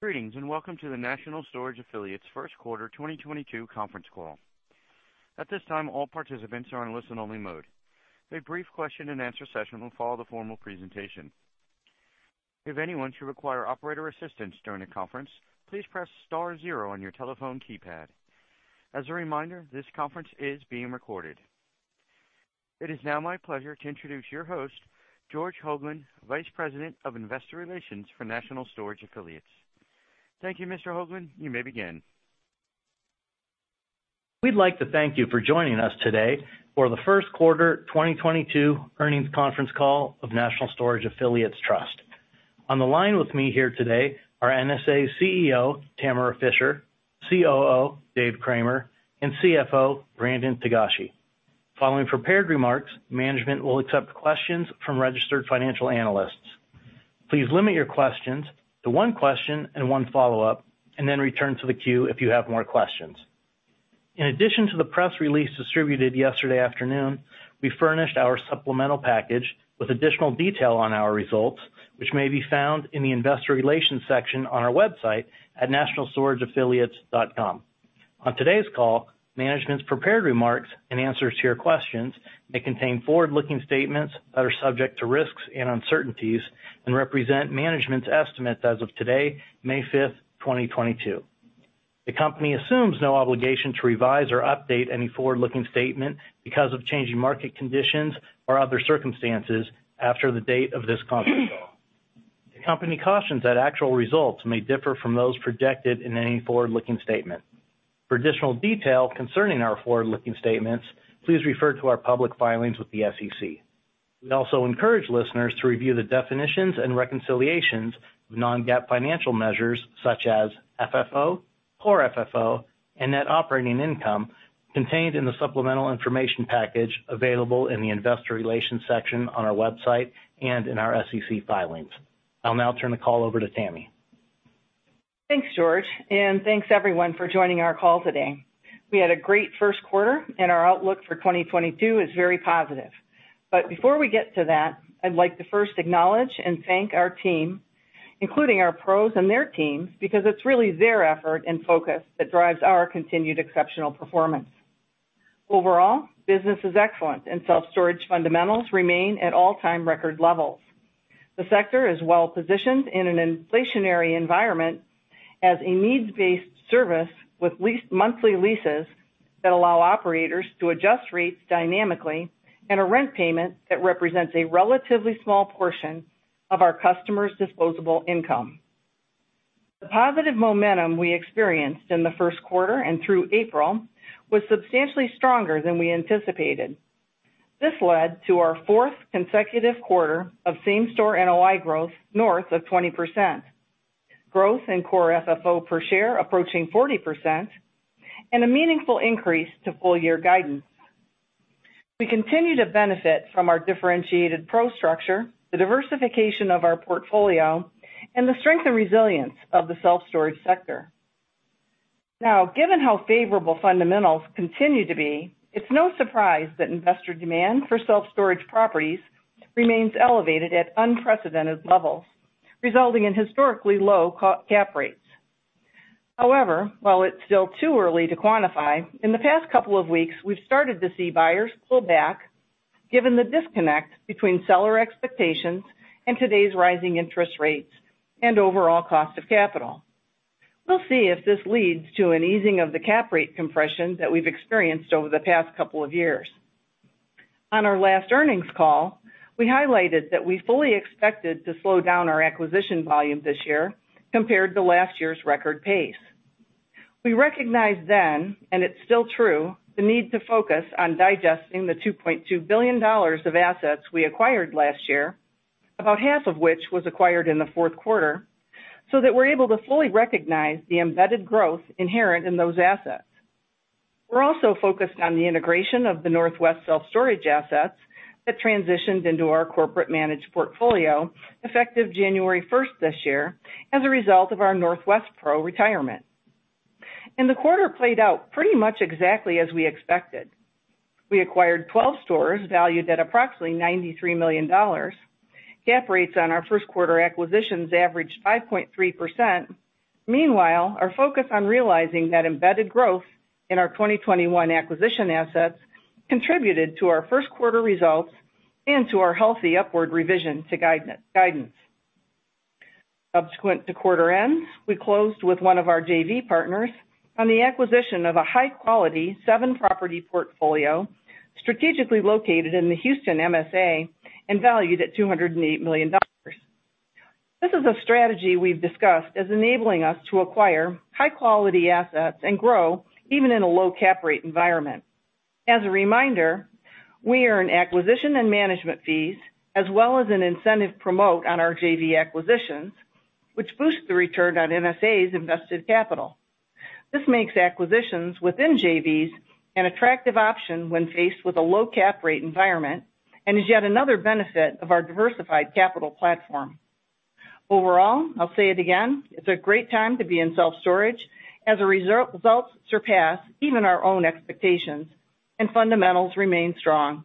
Greetings, and welcome to the National Storage Affiliates first quarter 2022 conference call. At this time, all participants are in listen-only mode. A brief question-and-answer session will follow the formal presentation. If anyone should require operator assistance during the conference, please press star zero on your telephone keypad. As a reminder, this conference is being recorded. It is now my pleasure to introduce your host, George Hoglund, Vice President of Investor Relations for National Storage Affiliates. Thank you, Mr. Hoglund. You may begin. We'd like to thank you for joining us today for the first quarter 2022 earnings conference call of National Storage Affiliates Trust. On the line with me here today are NSA CEO Tamara Fischer, COO David Cramer and CFO Brandon Togashi. Following prepared remarks, management will accept questions from registered financial analysts. Please limit your questions to one question and one follow-up, and then return to the queue if you have more questions. In addition to the press release distributed yesterday afternoon, we furnished our supplemental package with additional detail on our results, which may be found in the investor relations section on our website at nationalstorageaffiliates.com. On today's call, management's prepared remarks and answers to your questions may contain forward-looking statements that are subject to risks and uncertainties and represent management's estimates as of today, May 5, 2022. The company assumes no obligation to revise or update any forward-looking statement because of changing market conditions or other circumstances after the date of this conference call. The company cautions that actual results may differ from those projected in any forward-looking statement. For additional detail concerning our forward-looking statements, please refer to our public filings with the SEC. We also encourage listeners to review the definitions and reconciliations of non-GAAP financial measures such as FFO, Core FFO, and net operating income contained in the supplemental information package available in the investor relations section on our website and in our SEC filings. I'll now turn the call over to Tammy. Thanks, George, and thanks, everyone, for joining our call today. We had a great first quarter and our outlook for 2022 is very positive. Before we get to that, I'd like to first acknowledge and thank our team, including our PROs and their teams, because it's really their effort and focus that drives our continued exceptional performance. Overall, business is excellent, and self-storage fundamentals remain at all-time record levels. The sector is well-positioned in an inflationary environment as a needs-based service with monthly leases that allow operators to adjust rates dynamically and a rent payment that represents a relatively small portion of our customers' disposable income. The positive momentum we experienced in the first quarter and through April was substantially stronger than we anticipated. This led to our fourth consecutive quarter of same-store NOI growth north of 20%, growth in core FFO per share approaching 40%, and a meaningful increase to full-year guidance. We continue to benefit from our differentiated PRO structure, the diversification of our portfolio, and the strength and resilience of the self-storage sector. Now, given how favorable fundamentals continue to be, it's no surprise that investor demand for self-storage properties remains elevated at unprecedented levels, resulting in historically low cap rates. However, while it's still too early to quantify, in the past couple of weeks, we've started to see buyers pull back given the disconnect between seller expectations and today's rising interest rates and overall cost of capital. We'll see if this leads to an easing of the cap rate compression that we've experienced over the past couple of years. On our last earnings call, we highlighted that we fully expected to slow down our acquisition volume this year compared to last year's record pace. We recognized then, and it's still true, the need to focus on digesting the $2.2 billion of assets we acquired last year, about half of which was acquired in the fourth quarter, so that we're able to fully recognize the embedded growth inherent in those assets. We're also focused on the integration of the Northwest Self Storage assets that transitioned into our corporate managed portfolio effective January 1st this year as a result of our Northwest PRO retirement. The quarter played out pretty much exactly as we expected. We acquired 12 stores valued at approximately $93 million. Cap rates on our first quarter acquisitions averaged 5.3%. Meanwhile, our focus on realizing that embedded growth in our 2021 acquisition assets contributed to our first quarter results and to our healthy upward revision to guidance. Subsequent to quarter end, we closed with one of our JV partners on the acquisition of a high-quality 7-property portfolio strategically located in the Houston MSA and valued at $208 million. This is a strategy we've discussed as enabling us to acquire high-quality assets and grow even in a low cap rate environment. As a reminder, we earn acquisition and management fees as well as an incentive promote on our JV acquisitions, which boost the return on NSA's invested capital. This makes acquisitions within JVs an attractive option when faced with a low cap rate environment and is yet another benefit of our diversified capital platform. Overall, I'll say it again, it's a great time to be in self-storage, as a result, results surpass even our own expectations and fundamentals remain strong.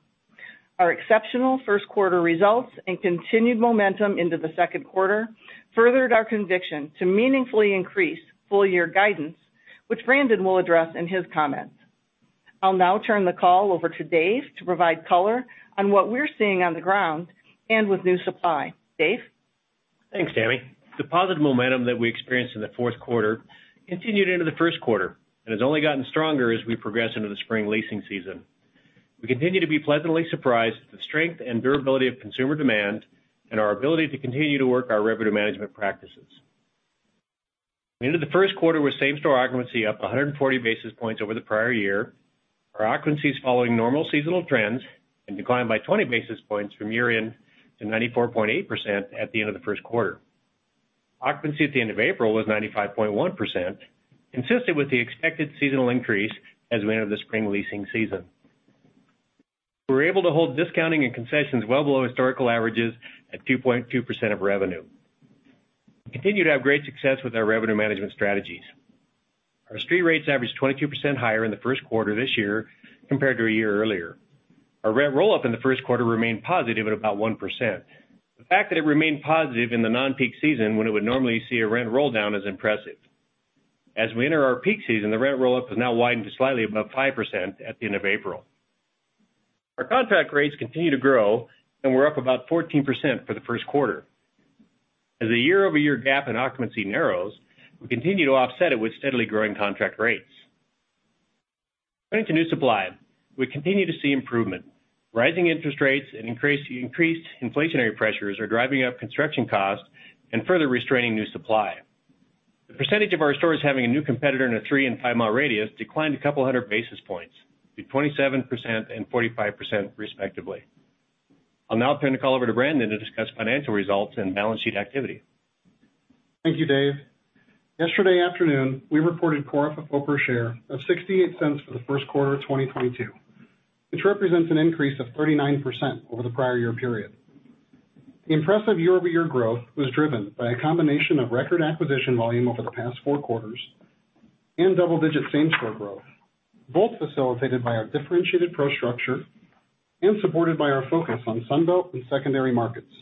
Our exceptional first quarter results and continued momentum into the second quarter furthered our conviction to meaningfully increase full-year guidance, which Brandon will address in his comments. I'll now turn the call over to Dave to provide color on what we're seeing on the ground and with new supply. Dave? Thanks, Tammy. The positive momentum that we experienced in the fourth quarter continued into the first quarter and has only gotten stronger as we progress into the spring leasing season. We continue to be pleasantly surprised at the strength and durability of consumer demand and our ability to continue to work our revenue management practices. We ended the first quarter with same-store occupancy up 140 basis points over the prior year. Our occupancy is following normal seasonal trends and declined by 20 basis points from year-end to 94.8% at the end of the first quarter. Occupancy at the end of April was 95.1%, consistent with the expected seasonal increase as we enter the spring leasing season. We were able to hold discounting and concessions well below historical averages at 2.2% of revenue. We continue to have great success with our revenue management strategies. Our street rates averaged 22% higher in the first quarter this year compared to a year earlier. Our rent roll-up in the first quarter remained positive at about 1%. The fact that it remained positive in the non-peak season, when it would normally see a rent roll-down, is impressive. As we enter our peak season, the rent roll-up has now widened to slightly above 5% at the end of April. Our contract rates continue to grow, and we're up about 14% for the first quarter. As the year-over-year gap in occupancy narrows, we continue to offset it with steadily growing contract rates. Turning to new supply, we continue to see improvement. Rising interest rates and increased inflationary pressures are driving up construction costs and further restraining new supply. The percentage of our stores having a new competitor in a three- and five-mile radius declined a couple hundred basis points to 27% and 45% respectively. I'll now turn the call over to Brandon to discuss financial results and balance sheet activity. Thank you, Dave. Yesterday afternoon, we reported Core FFO per share of $0.68 for the first quarter of 2022, which represents an increase of 39% over the prior year period. The impressive year-over-year growth was driven by a combination of record acquisition volume over the past four quarters and double-digit same-store growth, both facilitated by our differentiated PRO structure and supported by our focus on Sun Belt and secondary markets.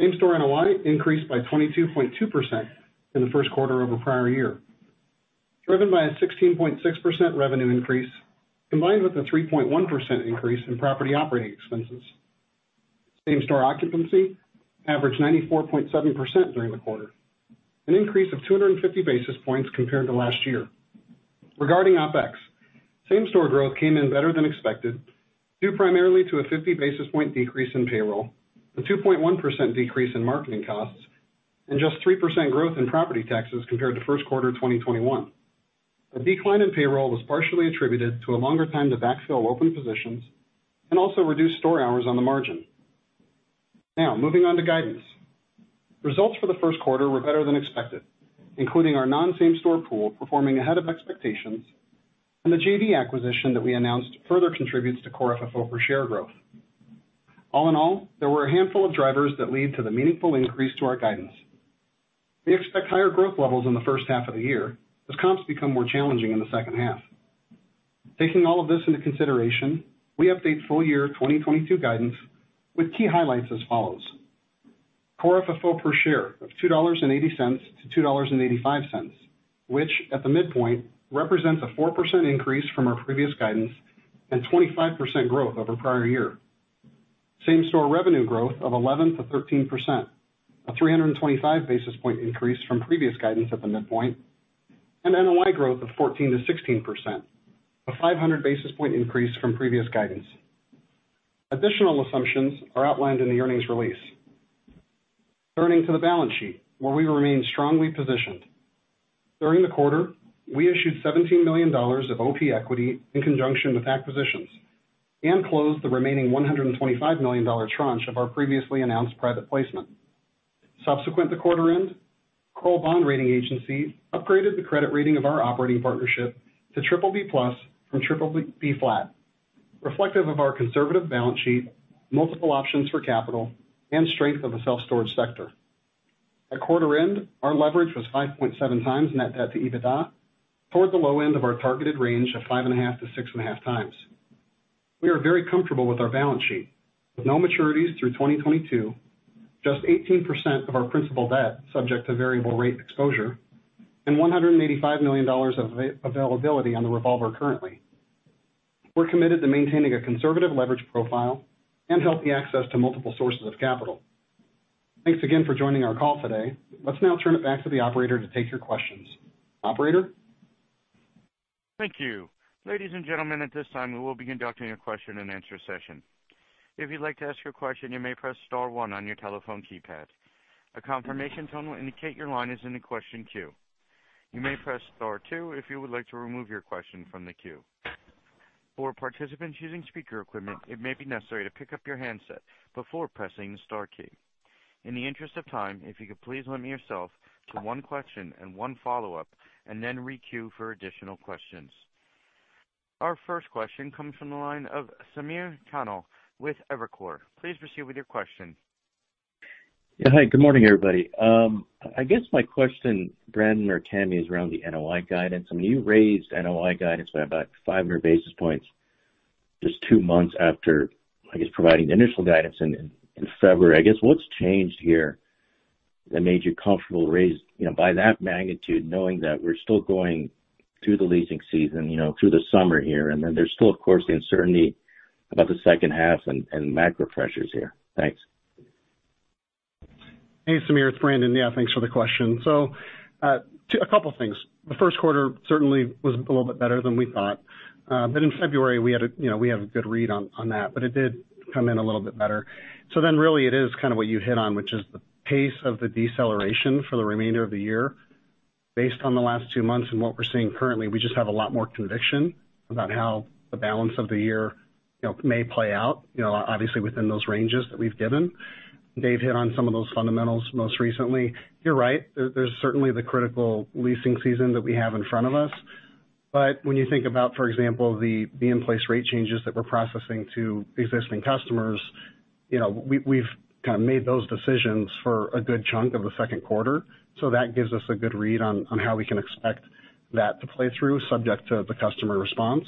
Same-store NOI increased by 22.2% in the first quarter over prior year, driven by a 16.6% revenue increase combined with a 3.1% increase in property operating expenses. Same-store occupancy averaged 94.7% during the quarter, an increase of 250 basis points compared to last year. Regarding OpEx, same-store growth came in better than expected, due primarily to a 50 basis point decrease in payroll, a 2.1% decrease in marketing costs, and just 3% growth in property taxes compared to first quarter of 2021. A decline in payroll was partially attributed to a longer time to backfill open positions and also reduced store hours on the margin. Now, moving on to guidance. Results for the first quarter were better than expected, including our non-same store pool performing ahead of expectations and the JV acquisition that we announced further contributes to Core FFO per share growth. All in all, there were a handful of drivers that led to the meaningful increase to our guidance. We expect higher growth levels in the first half of the year as comps become more challenging in the second half. Taking all of this into consideration, we updated full year 2022 guidance with key highlights as follows: Core FFO per share of $2.80-$2.85, which, at the midpoint, represents a 4% increase from our previous guidance and 25% growth over prior year. Same-store revenue growth of 11%-13%, a 325 basis point increase from previous guidance at the midpoint, and NOI growth of 14%-16%, a 500 basis point increase from previous guidance. Additional assumptions are outlined in the earnings release. Turning to the balance sheet, where we remain strongly positioned. During the quarter, we issued $17 million of OP equity in conjunction with acquisitions and closed the remaining $125 million tranche of our previously announced private placement. Subsequent to quarter end, Kroll Bond Rating Agency upgraded the credit rating of our operating partnership to BBB+ from BBB flat, reflective of our conservative balance sheet, multiple options for capital, and strength of the self-storage sector. At quarter end, our leverage was 5.7x net debt to EBITDA, toward the low end of our targeted range of 5.5x-6.5x. We are very comfortable with our balance sheet, with no maturities through 2022, just 18% of our principal debt subject to variable rate exposure, and $185 million of availability on the revolver currently. We're committed to maintaining a conservative leverage profile and healthy access to multiple sources of capital. Thanks again for joining our call today. Let's now turn it back to the operator to take your questions. Operator? Thank you. Ladies and gentlemen, at this time, we will be conducting a question-and-answer session. If you'd like to ask your question, you may press star one on your telephone keypad. A confirmation tone will indicate your line is in the question queue. You may press star two if you would like to remove your question from the queue. For participants using speaker equipment, it may be necessary to pick up your handset before pressing the star key. In the interest of time, if you could please limit yourself to one question and one follow-up, and then re-queue for additional questions. Our first question comes from the line of Samir Khanal with Evercore. Please proceed with your question. Yeah. Hi, good morning, everybody. I guess my question, Brandon or Tamara, is around the NOI guidance. I mean, you raised NOI guidance by about 500 basis points just two months after, I guess, providing the initial guidance in February. I guess, what's changed here that made you comfortable to raise, you know, by that magnitude, knowing that we're still going through the leasing season, you know, through the summer here, and then there's still, of course, the uncertainty about the second half and macro pressures here? Thanks. Hey, Samir. It's Brandon. Yeah, thanks for the question. A couple things. The first quarter certainly was a little bit better than we thought. But in February, we had, you know, we have a good read on that, but it did come in a little bit better. Really it is kind of what you hit on, which is the pace of the deceleration for the remainder of the year. Based on the last two months and what we're seeing currently, we just have a lot more conviction about how the balance of the year, you know, may play out, you know, obviously within those ranges that we've given. Dave hit on some of those fundamentals most recently. You're right, there's certainly the critical leasing season that we have in front of us. When you think about, for example, the in-place rate changes that we're processing to existing customers, you know, we've kind of made those decisions for a good chunk of the second quarter. That gives us a good read on how we can expect that to play through, subject to the customer response.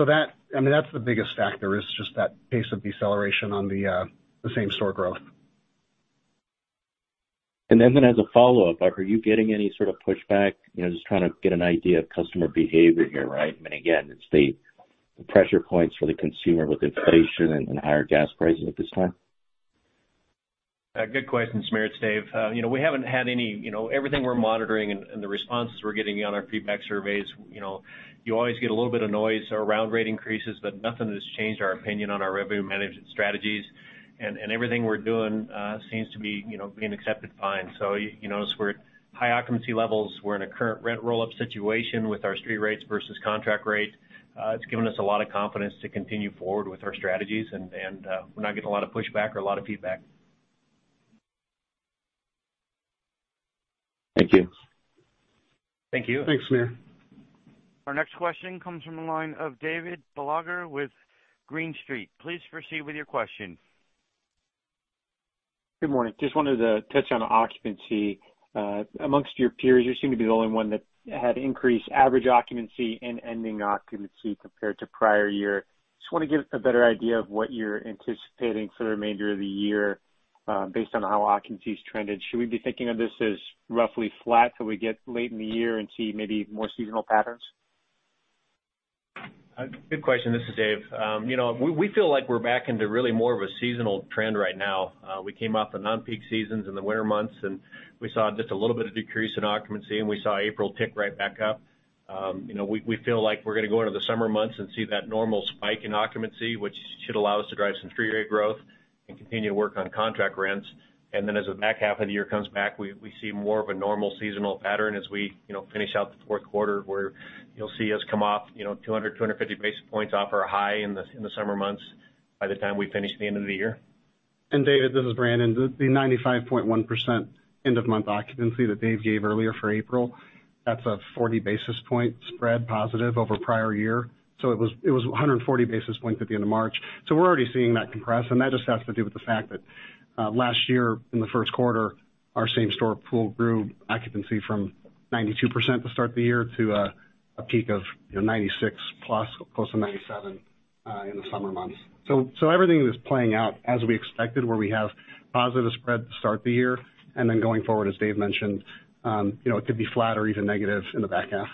I mean, that's the biggest factor is just that pace of deceleration on the same-store growth. as a follow-up, like, are you getting any sort of pushback? You know, just trying to get an idea of customer behavior here, right? I mean, again, it's the pressure points for the consumer with inflation and higher gas prices at this time. Good question, Samir. It's Dave. You know, we haven't had any, you know. Everything we're monitoring and the responses we're getting on our feedback surveys, you know, you always get a little bit of noise around rate increases, but nothing that's changed our opinion on our revenue management strategies. Everything we're doing seems to be, you know, being accepted fine. You notice we're at high occupancy levels. We're in a current rent roll-up situation with our street rates versus contract rates. It's given us a lot of confidence to continue forward with our strategies, and we're not getting a lot of pushback or a lot of feedback. Thank you. Thank you. Thanks, Samir. Our next question comes from the line of David with Green Street. Please proceed with your question. Good morning. Just wanted to touch on occupancy. Among your peers, you seem to be the only one that had increased average occupancy and ending occupancy compared to prior year. Just wanna get a better idea of what you're anticipating for the remainder of the year, based on how occupancy's trended. Should we be thinking of this as roughly flat till we get late in the year and see maybe more seasonal patterns? Good question. This is Dave. You know, we feel like we're back into really more of a seasonal trend right now. We came off the non-peak season in the winter months, and we saw just a little bit of decrease in occupancy, and we saw April tick right back up. You know, we feel like we're gonna go into the summer months and see that normal spike in occupancy, which should allow us to drive some street rate growth and continue to work on contract rents. As the back half of the year comes back, we see more of a normal seasonal pattern as we, you know, finish out the fourth quarter, where you'll see us come off, you know, 250 basis points off our high in the summer months by the time we finish the end of the year. David, this is Brandon. The 95.1% end of month occupancy that Dave gave earlier for April, that's a 40 basis point spread positive over prior year, so it was 140 basis points at the end of March. We're already seeing that compress, and that just has to do with the fact that last year in the first quarter, our same-store pool grew occupancy from 92% to start the year to a peak of, you know, 96+, close to 97 in the summer months. Everything is playing out as we expected, where we have positive spread to start the year, and then going forward, as Dave mentioned, it could be flat or even negative in the back half.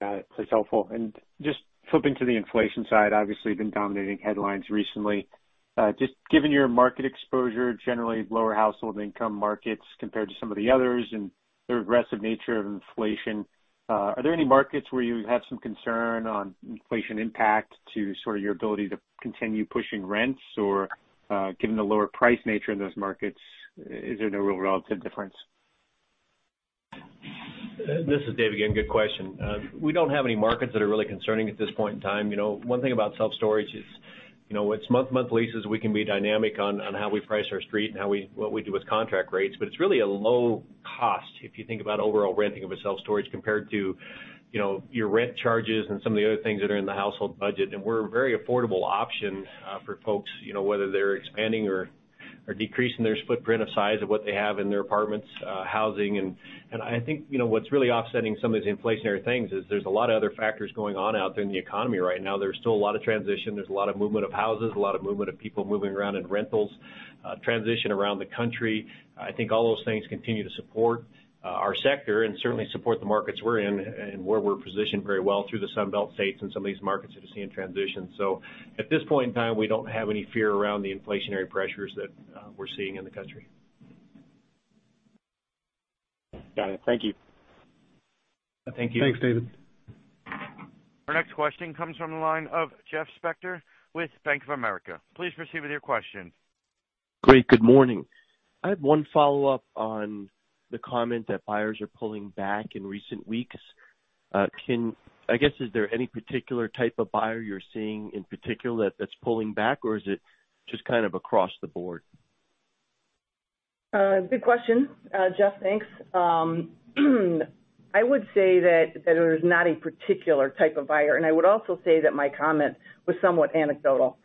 Got it. That's helpful. Just flipping to the inflation side, obviously been dominating headlines recently. Just given your market exposure, generally lower household income markets compared to some of the others and the aggressive nature of inflation, are there any markets where you have some concern on inflation impact to sort of your ability to continue pushing rents? Or, given the lower price nature in those markets, is there no real relative difference? This is Dave again. Good question. We don't have any markets that are really concerning at this point in time. You know, one thing about self-storage is, you know, it's month-to-month leases. We can be dynamic on how we price our street and what we do with contract rates. It's really a low cost if you think about overall renting of a self-storage compared to, you know, your rent charges and some of the other things that are in the household budget. We're a very affordable option for folks, you know, whether they're expanding or decreasing their footprint of size of what they have in their apartments, housing. I think, you know, what's really offsetting some of these inflationary things is there's a lot of other factors going on out there in the economy right now. There's still a lot of transition. There's a lot of movement of houses, a lot of movement of people moving around in rentals, transition around the country. I think all those things continue to support our sector and certainly support the markets we're in and where we're positioned very well through the Sun Belt states and some of these markets that are seeing transition. At this point in time, we don't have any fear around the inflationary pressures that we're seeing in the country. Got it. Thank you. Thank you. Thanks, David. Our next question comes from the line of Jeff Spector with Bank of America. Please proceed with your question. Great. Good morning. I have one follow-up on the comment that buyers are pulling back in recent weeks. I guess, is there any particular type of buyer you're seeing in particular that's pulling back, or is it just kind of across the board? Good question, Jeff, thanks. I would say that there's not a particular type of buyer. I would also say that my comment was somewhat anecdotal.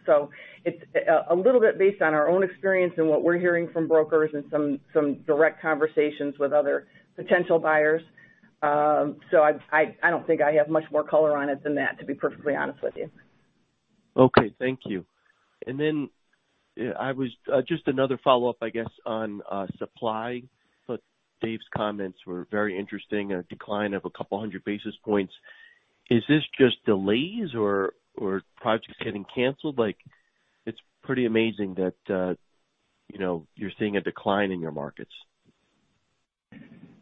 It's a little bit based on our own experience and what we're hearing from brokers and some direct conversations with other potential buyers. I don't think I have much more color on it than that, to be perfectly honest with you. Okay, thank you. Just another follow-up, I guess, on supply. Dave's comments were very interesting, a decline of 200 basis points. Is this just delays or projects getting canceled? Like, it's pretty amazing that, you know, you're seeing a decline in your markets.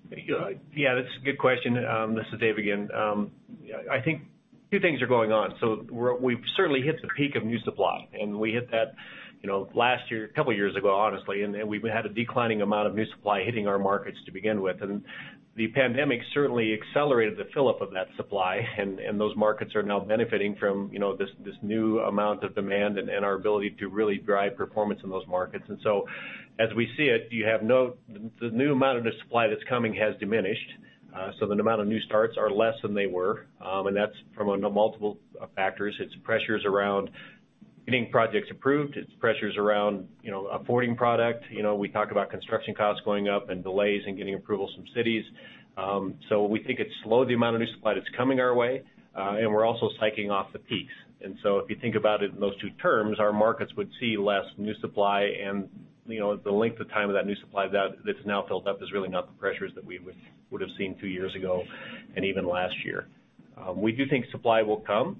Yeah, that's a good question. This is Dave again. I think two things are going on. We've certainly hit the peak of new supply, and we hit that, you know, last year, a couple of years ago, honestly. We've had a declining amount of new supply hitting our markets to begin with. The pandemic certainly accelerated the fill-up of that supply. Those markets are now benefiting from, you know, this new amount of demand and our ability to really drive performance in those markets. As we see it, the new amount of new supply that's coming has diminished. The amount of new starts are less than they were, and that's from, you know, multiple factors. It's pressures around getting projects approved. It's pressures around, you know, affording product. You know, we talk about construction costs going up and delays in getting approvals from cities. We think it slowed the amount of new supply that's coming our way, and we're also cycling off the peaks. If you think about it in those two terms, our markets would see less new supply. You know, the length of time of that new supply that's now built up is really not the pressures that we would have seen two years ago and even last year. We do think supply will come.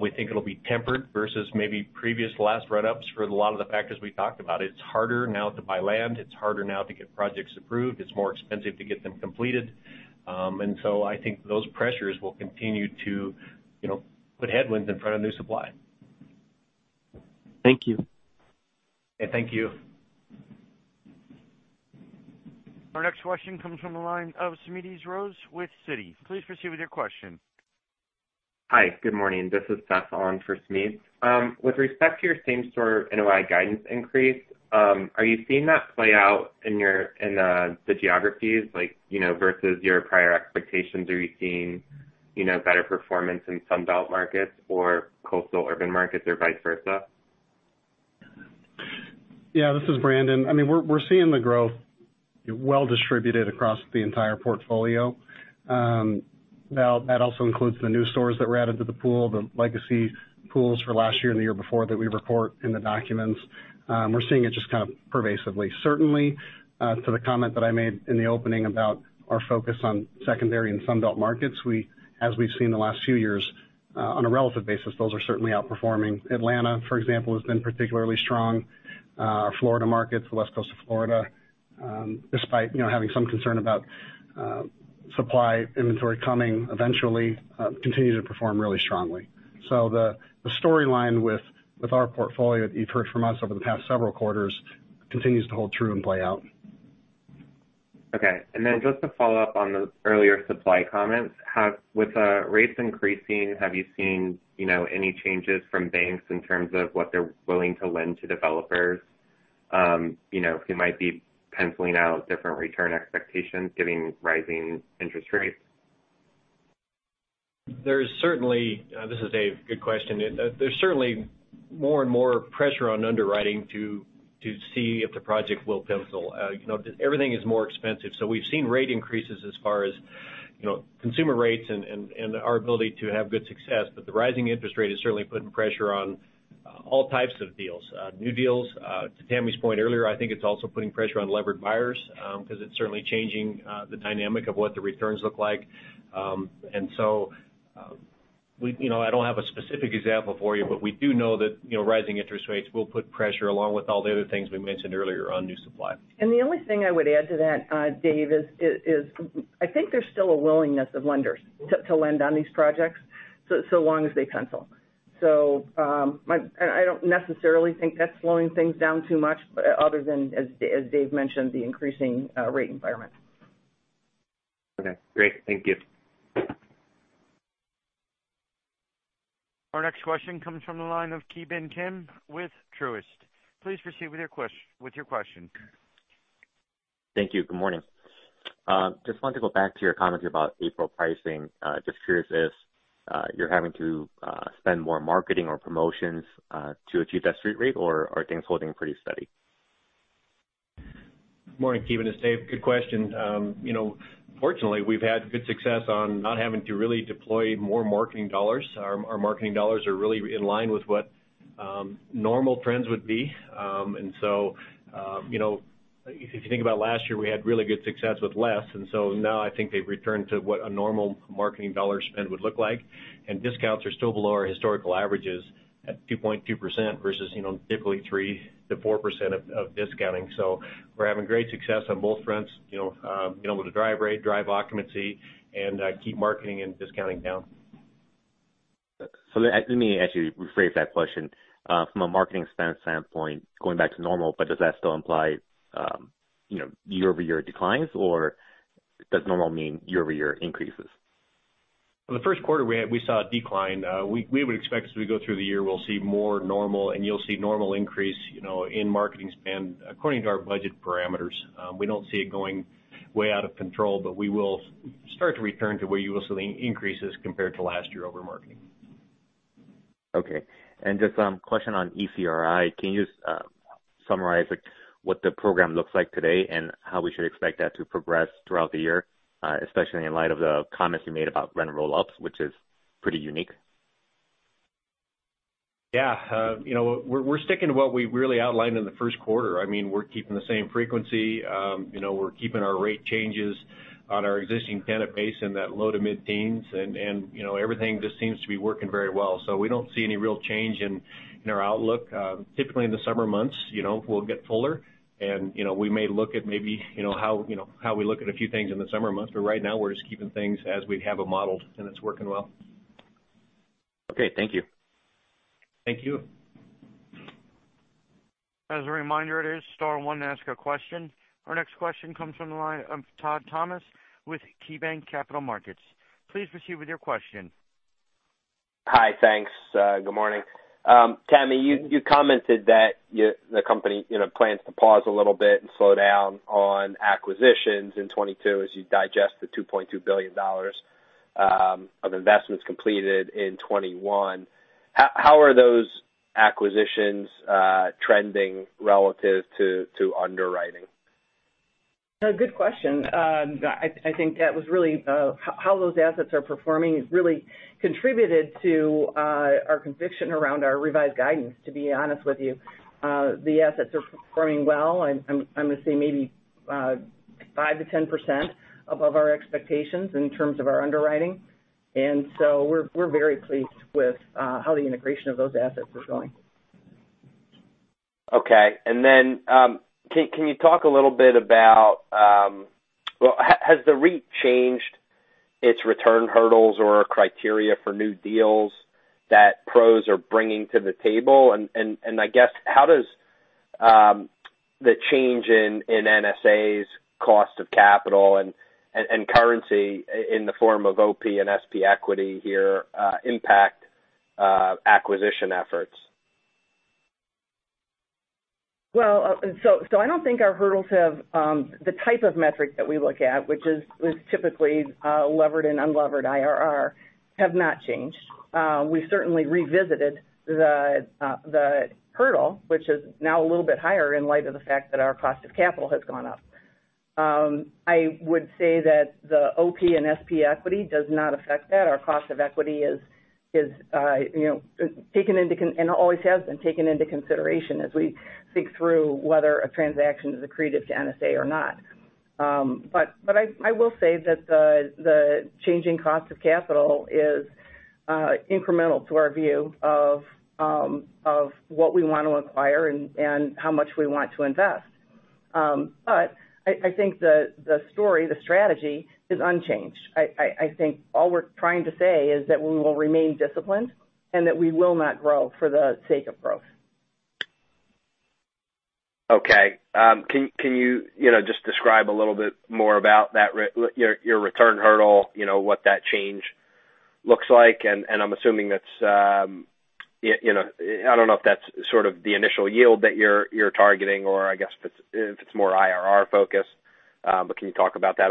We think it'll be tempered versus maybe previous last run-ups for a lot of the factors we talked about. It's harder now to buy land. It's harder now to get projects approved. It's more expensive to get them completed. I think those pressures will continue to, you know, put headwinds in front of new supply. Thank you. Yeah, thank you. Our next question comes from the line of Smedes Rose with Citi. Please proceed with your question. Hi. Good morning. This is Seth on for Smedes. With respect to your same-store NOI guidance increase, are you seeing that play out in the geographies, like, you know, versus your prior expectations? Are you seeing, you know, better performance in Sun Belt markets or coastal urban markets or vice versa? Yeah, this is Brandon. I mean, we're seeing the growth well distributed across the entire portfolio. Now that also includes the new stores that were added to the pool, the legacy pools for last year and the year before that we report in the documents. We're seeing it just kind of pervasively. Certainly, to the comment that I made in the opening about our focus on secondary and Sun Belt markets, we, as we've seen the last few years, on a relative basis, those are certainly outperforming. Atlanta, for example, has been particularly strong. Our Florida markets, the West Coast of Florida, despite, you know, having some concern about, supply inventory coming eventually, continue to perform really strongly. The storyline with our portfolio that you've heard from us over the past several quarters continues to hold true and play out. Okay. Just to follow up on the earlier supply comments. With rates increasing, have you seen, you know, any changes from banks in terms of what they're willing to lend to developers, you know, who might be penciling out different return expectations given rising interest rates? This is Dave. Good question. There's certainly more and more pressure on underwriting to see if the project will pencil. You know, everything is more expensive. We've seen rate increases as far as, you know, consumer rates and our ability to have good success. The rising interest rate is certainly putting pressure on all types of deals, new deals. To Tammy's point earlier, I think it's also putting pressure on levered buyers, because it's certainly changing the dynamic of what the returns look like. You know, I don't have a specific example for you, but we do know that, you know, rising interest rates will put pressure along with all the other things we mentioned earlier on new supply. The only thing I would add to that, Dave, is I think there's still a willingness of lenders to lend on these projects so long as they pencil. I don't necessarily think that's slowing things down too much other than, as Dave mentioned, the increasing rate environment. Okay, great. Thank you. Our next question comes from the line of Ki Bin Kim with Truist. Please proceed with your question. Thank you. Good morning. Just wanted to go back to your comments about April pricing. Just curious if you're having to spend more marketing or promotions to achieve that street rate, or are things holding pretty steady? Morning, Ki Bin Kim. It's Dave. Good question. You know, fortunately, we've had good success on not having to really deploy more marketing dollars. Our marketing dollars are really in line with what normal trends would be. You know, if you think about last year, we had really good success with less. Now I think they've returned to what a normal marketing dollar spend would look like. Discounts are still below our historical averages at 2.2% versus, you know, typically 3%-4% of discounting. We're having great success on both fronts, you know, being able to drive rate, drive occupancy, and keep marketing and discounting down. Let me actually rephrase that question. From a marketing standpoint, going back to normal, but does that still imply, you know, year-over-year declines, or does normal mean year-over-year increases? In the first quarter we saw a decline. We would expect as we go through the year, we'll see more normal and you'll see normal increase, you know, in marketing spend according to our budget parameters. We don't see it going way out of control, but we will start to return to where you will see increases compared to last year over marketing. Okay. Just, question on ECRI. Can you just, summarize, like, what the program looks like today and how we should expect that to progress throughout the year, especially in light of the comments you made about rent roll-ups, which is pretty unique? Yeah. You know, we're sticking to what we really outlined in the first quarter. I mean, we're keeping the same frequency. You know, we're keeping our rate changes on our existing tenant base in that low- to mid-teens and, you know, everything just seems to be working very well. We don't see any real change in our outlook. Typically in the summer months, you know, we'll get fuller and, you know, we may look at how we look at a few things in the summer months. Right now, we're just keeping things as we have it modeled and it's working well. Okay, thank you. Thank you. As a reminder, it is star one to ask a question. Our next question comes from the line of Todd Thomas with KeyBanc Capital Markets. Please proceed with your question. Hi. Thanks. Good morning. Tamara, you commented that the company, you know, plans to pause a little bit and slow down on acquisitions in 2022 as you digest the $2.2 billion of investments completed in 2021. How are those acquisitions trending relative to underwriting? A good question. I think how those assets are performing has really contributed to our conviction around our revised guidance, to be honest with you. The assets are performing well. I'm gonna say maybe 5%-10% above our expectations in terms of our underwriting. We're very pleased with how the integration of those assets is going. Okay. Can you talk a little bit about, well, has the REIT changed its return hurdles or criteria for new deals that PROs are bringing to the table? I guess how does the change in NSA's cost of capital and currency in the form of OP and SP equity here impact acquisition efforts? I don't think our hurdles have the type of metric that we look at, which was typically levered and unlevered IRR, have not changed. We certainly revisited the hurdle, which is now a little bit higher in light of the fact that our cost of capital has gone up. I would say that the OP and SP equity does not affect that. Our cost of equity is, you know, taken into consideration and always has been taken into consideration as we think through whether a transaction is accretive to NSA or not. I will say that the changing cost of capital is incremental to our view of what we want to acquire and how much we want to invest. I think the story, the strategy is unchanged. I think all we're trying to say is that we will remain disciplined and that we will not grow for the sake of growth. Okay. Can you know, just describe a little bit more about that your return hurdle, you know, what that change looks like? I'm assuming that's, you know, I don't know if that's sort of the initial yield that you're targeting, or I guess if it's more IRR focused. Can you talk about that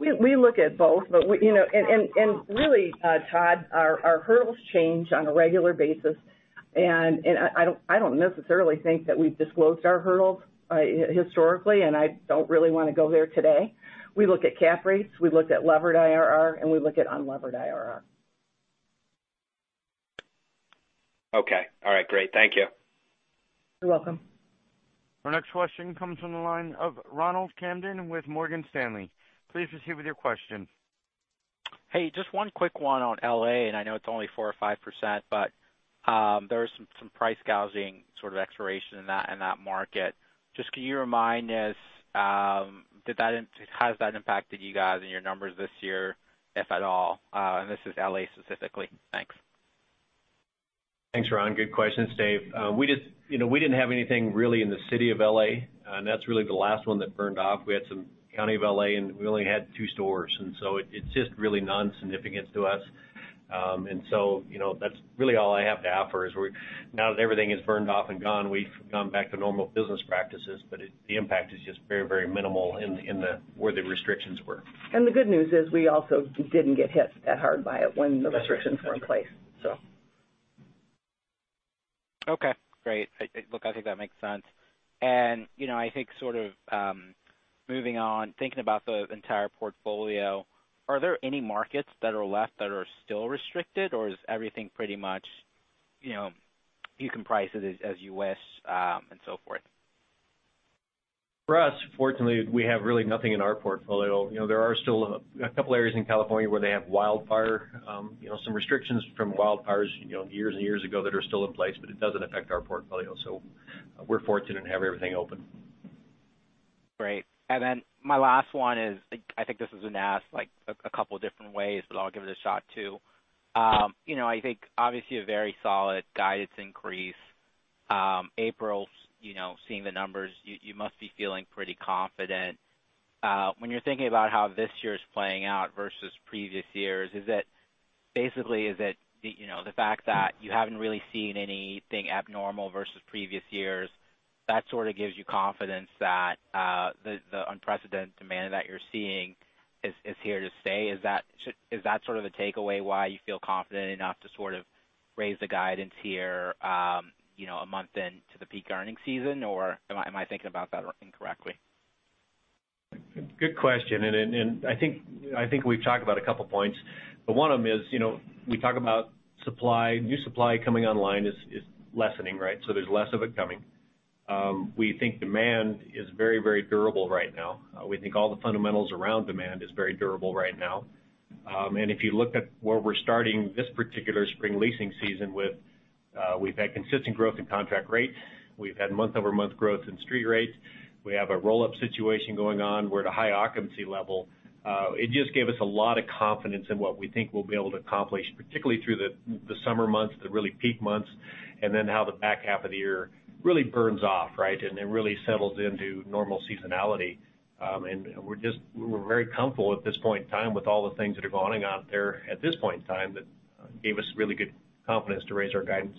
a little bit? We look at both. We, you know, really, Todd, our hurdles change on a regular basis. I don't necessarily think that we've disclosed our hurdles historically, and I don't really wanna go there today. We look at cap rates, we look at levered IRR, and we look at unlevered IRR. Okay. All right, great. Thank you. You're welcome. Our next question comes from the line of Ronald Kamdem with Morgan Stanley. Please proceed with your question. Hey, just one quick one on L.A., and I know it's only 4%-5%, but there was some price gouging sort of exploitation in that market. Just can you remind us, has that impacted you guys and your numbers this year, if at all? This is L.A. specifically. Thanks. Thanks, Ron. Good question. It's Dave. We just, you know, we didn't have anything really in the city of L.A., and that's really the last one that burned off. We had some county of L.A., and we only had two stores, and so it's just really non-significant to us. You know, that's really all I have to offer is now that everything is burned off and gone, we've gone back to normal business practices, but the impact is just very, very minimal in where the restrictions were. The good news is we also didn't get hit that hard by it when the restrictions were in place. That's right. Okay, great. Look, I think that makes sense. You know, I think sort of moving on, thinking about the entire portfolio, are there any markets that are left that are still restricted, or is everything pretty much, you know, you can price it as you wish, and so forth? For us, fortunately, we have really nothing in our portfolio. You know, there are still a couple areas in California where they have wildfire, you know, some restrictions from wildfires, you know, years and years ago that are still in place, but it doesn't affect our portfolio. We're fortunate to have everything open. Great. My last one is, I think this has been asked, like, a couple different ways, but I'll give it a shot too. You know, I think obviously a very solid guidance increase. April's, you know, seeing the numbers, you must be feeling pretty confident. When you're thinking about how this year is playing out versus previous years, basically, you know, the fact that you haven't really seen anything abnormal versus previous years, that sort of gives you confidence that the unprecedented demand that you're seeing is here to stay? Is that sort of the takeaway why you feel confident enough to sort of raise the guidance here, you know, a month into the peak earnings season? Or am I thinking about that incorrectly? Good question. I think we've talked about a couple points, but one of them is, you know, we talk about supply. New supply coming online is lessening, right? There's less of it coming. We think demand is very, very durable right now. We think all the fundamentals around demand is very durable right now. If you look at where we're starting this particular spring leasing season with, we've had consistent growth in contract rates. We've had month-over-month growth in street rates. We have a roll-up situation going on. We're at a high occupancy level. It just gave us a lot of confidence in what we think we'll be able to accomplish, particularly through the summer months, the really peak months, and then how the back half of the year really burns off, right, and it really settles into normal seasonality. We're very comfortable at this point in time with all the things that are going on out there at this point in time that gave us really good confidence to raise our guidance.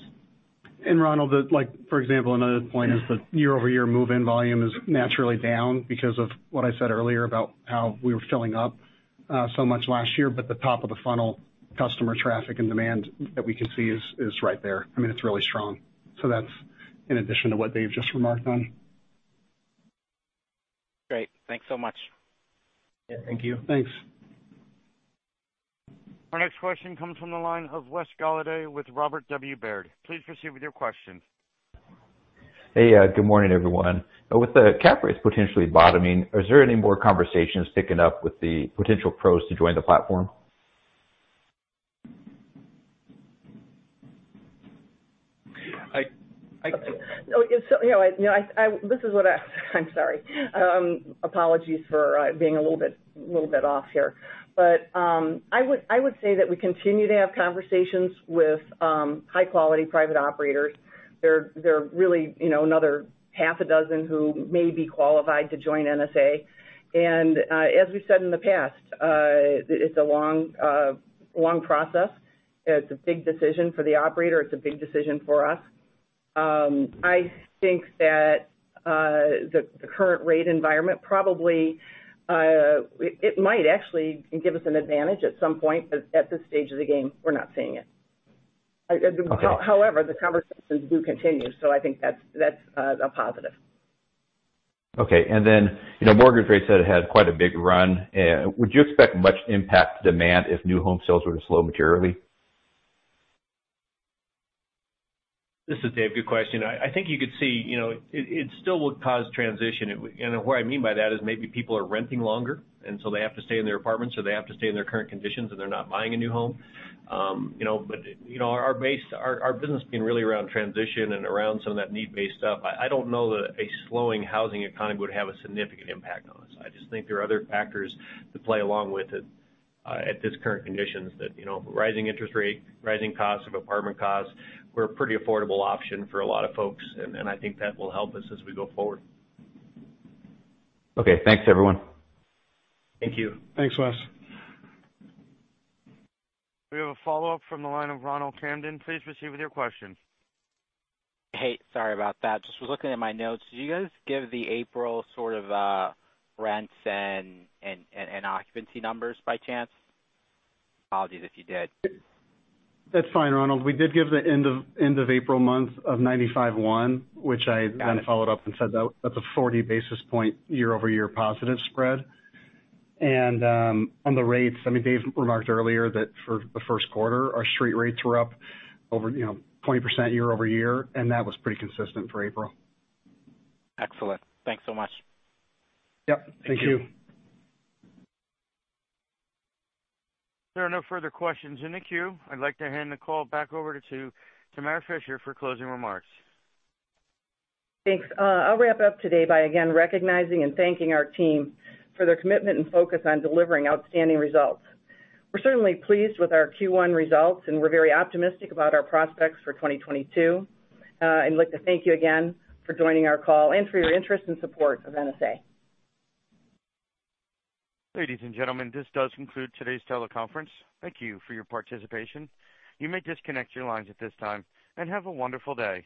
Ronald, like, for example, another point is that year-over-year move-in volume is naturally down because of what I said earlier about how we were filling up so much last year. The top of the funnel customer traffic and demand that we can see is right there. I mean, it's really strong. That's in addition to what Dave just remarked on. Great. Thanks so much. Thank you. Thanks. Our next question comes from the line of Wes Golladay with Robert W. Baird & Co. Please proceed with your question. Hey, good morning, everyone. With the cap rates potentially bottoming, is there any more conversations picking up with the potential PROs to join the platform? I- I- I'm sorry. Apologies for being a little bit off here. I would say that we continue to have conversations with high-quality private operators. There are really, you know, another half a dozen who may be qualified to join NSA. As we've said in the past, it's a long process. It's a big decision for the operator. It's a big decision for us. I think that the current rate environment, probably, it might actually give us an advantage at some point, but at this stage of the game, we're not seeing it. Okay. However, the conversations do continue, so I think that's a positive. Okay. You know, mortgage rates had quite a big run. Would you expect much impact to demand if new home sales were to slow materially? This is Dave. Good question. I think you could see, you know, it still would cause transition. What I mean by that is maybe people are renting longer, and so they have to stay in their apartments or they have to stay in their current conditions, and they're not buying a new home. You know, but, you know, our business has been really around transition and around some of that need-based stuff. I don't know that a slowing housing economy would have a significant impact on us. I just think there are other factors that play along with it, at this current conditions that, you know, rising interest rate, rising costs of apartment costs. We're a pretty affordable option for a lot of folks, and I think that will help us as we go forward. Okay. Thanks, everyone. Thank you. Thanks, Wes. We have a follow-up from the line of Ronald Kamdem. Please proceed with your question. Hey, sorry about that. Just was looking at my notes. Did you guys give the April sort of, rents and occupancy numbers by chance? Apologies if you did. That's fine, Ronald. We did give the end of April month of 95.1%, which I then followed up and said that that's a 40 basis point year-over-year positive spread. On the rates, I mean, Dave remarked earlier that for the first quarter, our street rates were up over 20% year-over-year, and that was pretty consistent for April. Excellent. Thanks so much. Yep. Thank you. Thank you. There are no further questions in the queue. I'd like to hand the call back over to Tamara Fischer for closing remarks. Thanks. I'll wrap up today by again recognizing and thanking our team for their commitment and focus on delivering outstanding results. We're certainly pleased with our Q1 results, and we're very optimistic about our prospects for 2022. I'd like to thank you again for joining our call and for your interest and support of NSA. Ladies and gentlemen, this does conclude today's teleconference. Thank you for your participation. You may disconnect your lines at this time, and have a wonderful day.